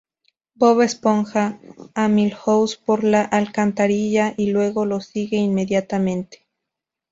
Bob empuja a Milhouse por la alcantarilla y luego lo sigue inmediatamente.